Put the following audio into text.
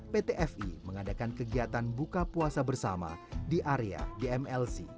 pt fi mengadakan kegiatan buka puasa bersama di area dmlc